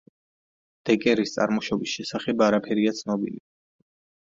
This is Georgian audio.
დეკერის წარმოშობის შესახებ არაფერია ცნობილი.